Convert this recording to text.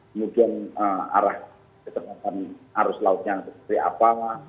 kemudian arah keteratan arus lautnya seperti apa